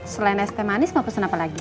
selain s t manis mau pesen apa lagi